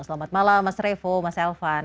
selamat malam mas revo mas elvan